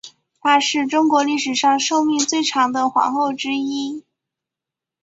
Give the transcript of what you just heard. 她是中国历史上寿命最长的皇后之一。